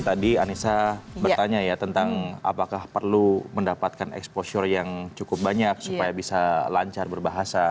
tadi anissa bertanya ya tentang apakah perlu mendapatkan exposure yang cukup banyak supaya bisa lancar berbahasa